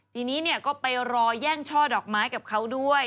ทีนี้ก็ไปรอแย่งช่อดอกไม้กับเขาด้วย